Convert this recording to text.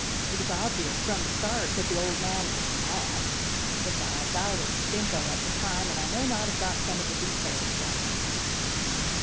It was obvious, from the start, that the old man was mad. Besides, I was stinko at the time, and I may not have got some of the details right.